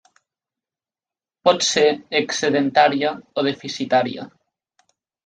Pot ser excedentària o deficitària.